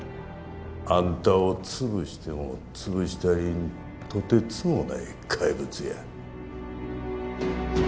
あんたを潰しても潰し足りんとてつもない怪物や。